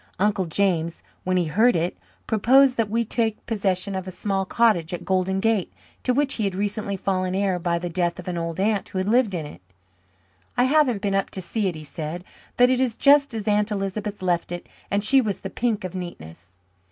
Uncle James, when he heard it, proposed that we take possession of a small cottage at Golden Gate, to which he had recently fallen heir by the death of an old aunt who had lived in it. "I haven't been up to see it," he said, "but it is just as Aunt Elizabeth left it and she was the pink of neatness.